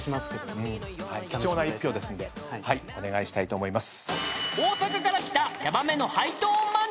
貴重な１票ですんでお願いしたいと思います。